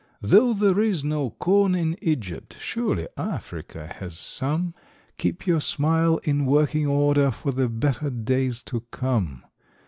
Though there is no corn in Egypt, surely Africa has some Keep your smile in working order for the better days to come